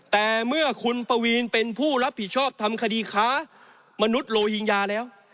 แต่เมื่อคุณปวีนเป็นผู้รับผิดชอบทำคดีค้ามนุษย์โลหิงญาแล้ว